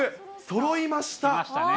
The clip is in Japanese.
そろいましたね。